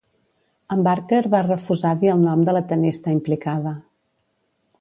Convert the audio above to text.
En Barker va refusar dir el nom de la tennista implicada.